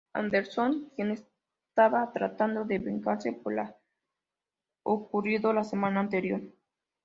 Anderson quien estaba tratando de vengarse por la ocurrido la semana anterior.